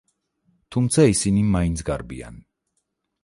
თუმცა ისინი მაინც გარბიან.